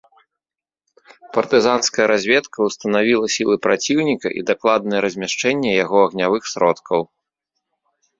Партызанская разведка ўстанавіла сілы праціўніка і дакладнае размяшчэнне яго агнявых сродкаў.